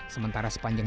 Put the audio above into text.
sementara sepanjang jangka